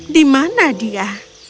di mana dia